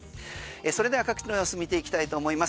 それでは各地の様子見ていきたいと思います。